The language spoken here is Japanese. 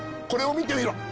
これを見てみろ」。